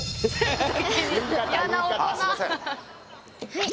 はい。